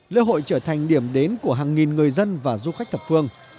lễ hội trở thành điểm đến của hàng nghìn người dân và du khách thập phương